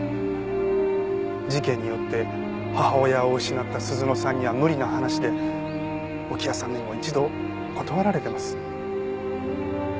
事件によって母親を失った鈴乃さんには無理な話で置屋さんにも一度断られてます。